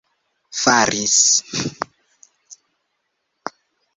faris